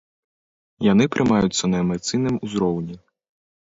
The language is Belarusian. Яны прымаюцца на эмацыйным узроўні.